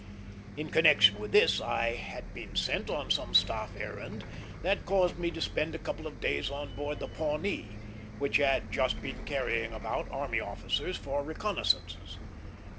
In connection with this I had been sent on some staff errand that caused me to spend a couple of days on board the Pawnee, which had just been carrying about army officers for reconnoissances.